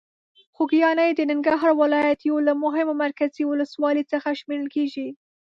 خوږیاڼي د ننګرهار ولایت یو له مهمو مرکزي ولسوالۍ څخه شمېرل کېږي.